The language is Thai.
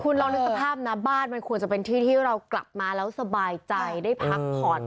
คุณลองนึกสภาพนบ้านควรจะเป็นที่ที่เรากลับมาแล้วสบายใจได้พักออกเต็มที่